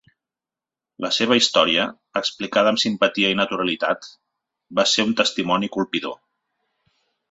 La seva història, explicada amb simpatia i naturalitat, va ser un testimoni colpidor.